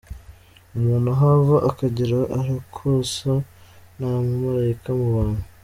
Umuntu aho ava akagera arakosa, nta mumalayika mu bantu.